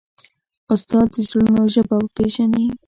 استاد د زړونو ژبه پېژني.